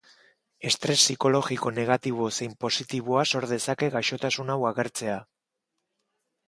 Estres psikologiko negatibo zein positiboa sor dezake gaixotasun hau agertzea.